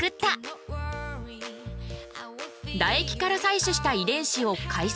唾液から採取した遺伝子を解析。